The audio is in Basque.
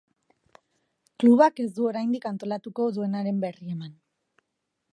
Klubak ez du oraindik antolatuko duenaren berri eman.